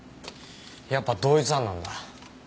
やっぱ同一犯なんだ。